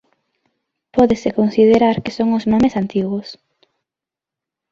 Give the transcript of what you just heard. Pódese considerar que son os nomes antigos.